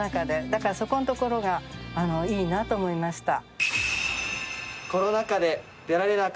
だからそこのところがいいなと思いました。